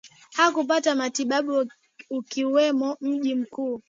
akopata matibabu ukiwemo mji mkuu